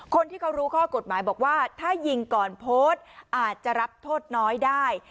คนที่เขารู้ข้อกฎหมายบอกว่าถ้ายิงก่อนโพสต์อาจจะรับโทษน้อยได้